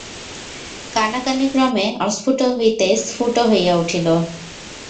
কানাকানি ক্রমে অস্ফুট হইতে স্ফুট হইয়া উঠিল।